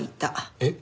えっ？